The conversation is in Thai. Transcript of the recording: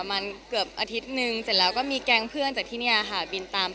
อันนี้คือนักกัน